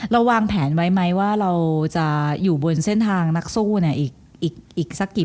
เราวางแผนไว้ไหมว่าเราจะอยู่บนเส้นทางนักสู้เนี่ย